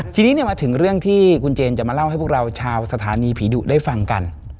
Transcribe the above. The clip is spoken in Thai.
ทีนี้มาถึงเรื่องที่คุณเจนจะมาเล่าให้พวกเราชาวสถานีผีดุได้ฟังกัน